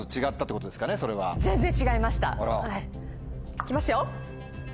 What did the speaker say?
いきますよ。